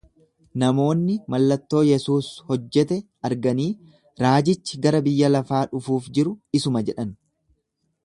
Namoonni mallattoo Yesuus hojjete arganii, Raajichi gara biyya lafaa dhufuuf jiru isuma jedhan.